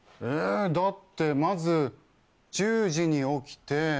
えだってまず１０時に起きて。